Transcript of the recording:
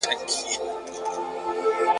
چي پر هرقدم د خدای شکر کومه ,